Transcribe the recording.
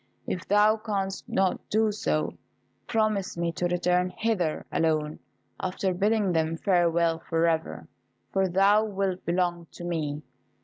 If thou canst not do so, promise me to return hither alone, after bidding them farewell for ever, for thou wilt belong to me.